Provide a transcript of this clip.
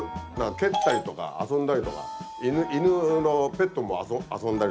蹴ったりとか遊んだりとか犬のペットも遊んだりとか。